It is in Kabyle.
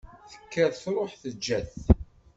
Tekker truḥ teǧǧa-t.